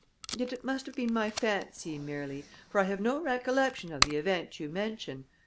Yet it must have been my fancy merely, for I have no recollection of the event you mention.